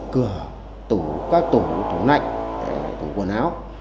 cửa tủ các tủ tủ nạnh tủ quần áo